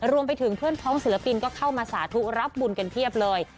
รวมไปถึงเพื่อนพ้องศิลปินก็เข้ามาสาธุรับบุญกันเพียบเลย